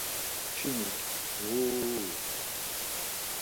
Kçinik, Vuuu...!